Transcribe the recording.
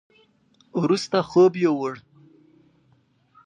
وروسته خوب يوووړ.